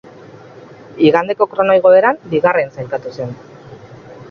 Igandeko kronoigoeran bigarren sailkatu zen.